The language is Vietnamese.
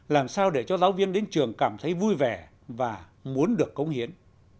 làm sao để cho giáo viên đến trường cảm thấy vui vẻ và muốn được cống hiến